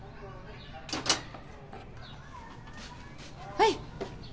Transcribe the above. はい。